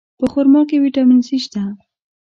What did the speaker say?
په خرما کې ویټامین C شته.